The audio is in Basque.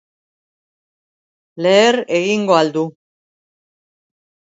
Leher egingo ahal du!